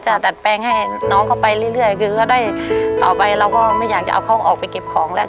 ดัดแปลงให้น้องเขาไปเรื่อยคือเขาได้ต่อไปเราก็ไม่อยากจะเอาเขาออกไปเก็บของแล้ว